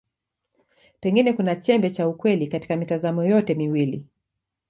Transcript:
Pengine kuna chembe za ukweli katika mitazamo yote miwili.